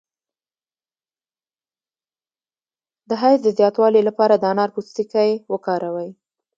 د حیض د زیاتوالي لپاره د انار پوستکی وکاروئ